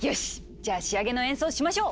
じゃあ仕上げの演奏しましょう！